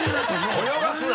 泳がすな！